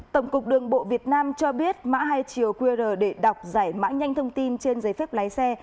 tổng cục đường bộ việt nam cho biết mã hai chiều qr để đọc giải mã nhanh thông tin trên giấy phép lái xe